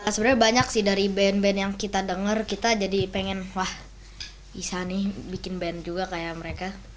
sebenarnya banyak sih dari band band yang kita dengar kita jadi pengen wah bisa nih bikin band juga kayak mereka